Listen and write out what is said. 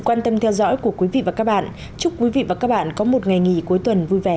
quan tâm theo dõi của quý vị và các bạn chúc quý vị và các bạn có một ngày nghỉ cuối tuần vui vẻ